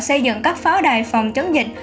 xây dựng các pháo đài phòng chống dịch